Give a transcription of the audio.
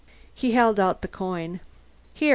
He held out the coin. "Here.